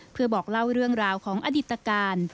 เพื่อบอกเล่าเรื่องราวของอดิตการ